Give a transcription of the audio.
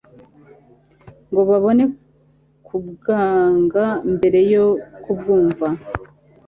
ngo babone kubwanga mbere yo kubwumva